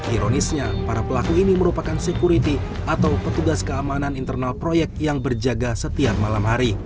ironisnya para pelaku ini merupakan security atau petugas keamanan internal proyek yang berjaga setiap malam hari